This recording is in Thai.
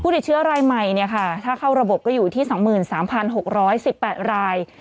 ติดเชื้อรายใหม่ถ้าเข้าระบบก็อยู่ที่๒๓๖๑๘ราย